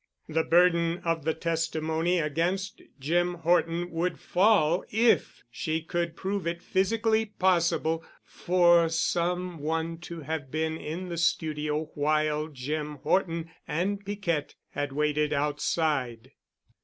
The burden of the testimony against Jim Horton would fall if she could prove it physically possible for some one to have been in the studio while Jim Horton and Piquette had waited outside.